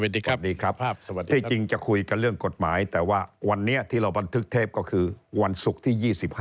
สวัสดีครับที่จริงจะคุยกันเรื่องกฎหมายแต่ว่าวันนี้ที่เราบันทึกเทปก็คือวันศุกร์ที่๒๕